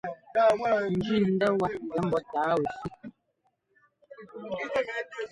Njʉndá wá ŋgɛ́ mbɔ́ tǎa wɛfí.